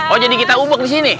oh jadi kita ubuk disini